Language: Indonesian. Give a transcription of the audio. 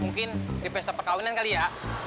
mungkin di pesta perkawinan kali ya